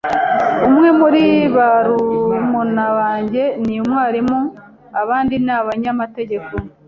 Umwe muri barumuna banjye ni umwarimu abandi ni abanyamategeko.